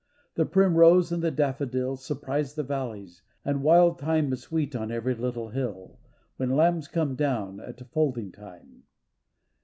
The primrose and the daffodil Surprise the valleys, and wild thyme Is sweet on every little hill, When lambs come down at folding time.